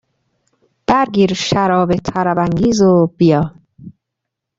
بر گیر شراب طربانگیز و بیا